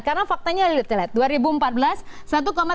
karena faktanya lihat lihat